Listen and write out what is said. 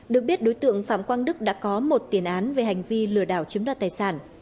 được biết đối tượng phạm quang đức đã có một tiền án về hành vi lừa đảo chiếm đoạt tài sản